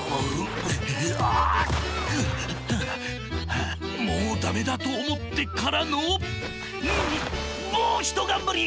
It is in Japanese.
はあもうダメだとおもってからのもうひとがんばり！